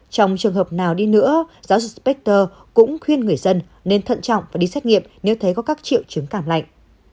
trong trường hợp nào đi nữa giáo dục pector cũng khuyên người dân nên thận trọng và đi xét nghiệm nếu thấy có các triệu chứng cảm lạnh